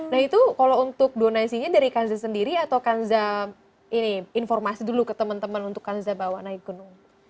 nah itu kalau untuk donasinya dari kanza sendiri atau kanza ini informasi dulu ke teman teman untuk kanza bawa naik gunung